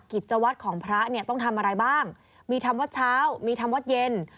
กิจวัตรของพระเนี่ยต้องทำอะไรบ้างมีทำวัดเช้ามีทำวัดเย็น